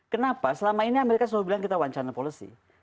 kenapa selama ini amerika selalu bilang kita one china policy